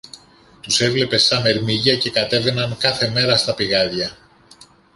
Τους έβλεπες σα μερμήγκια και κατέβαιναν κάθε μέρα στα πηγάδια